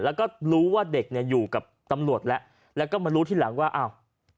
แล้วก็รู้ว่าเด็กเนี่ยอยู่กับตำรวจแล้วแล้วก็มารู้ทีหลังว่าอ้าว